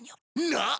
なっ？